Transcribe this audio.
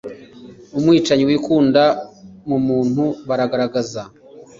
Umwicanyi wikunda mumuntu baragaragaza